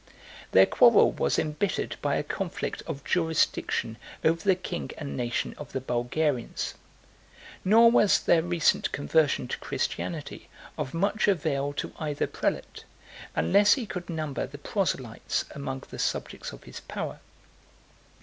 Their quarrel was embittered by a conflict of jurisdiction over the king and nation of the Bulgarians; nor was their recent conversion to Christianity of much avail to either prelate, unless he could number the proselytes among the subjects of his power.